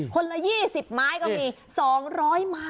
คนละ๒๐ไม้ก็มี๒๐๐ไม้ก็มี